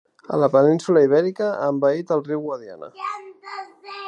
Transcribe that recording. A la península Ibèrica ha envaït el riu Guadiana.